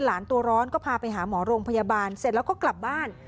ตัวร้อนก็พาไปหาหมอโรงพยาบาลเสร็จแล้วก็กลับบ้าน